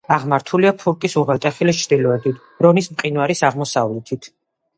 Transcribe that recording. აღმართულია ფურკის უღელტეხილის ჩრდილოეთით, რონის მყინვარის აღმოსავლეთით.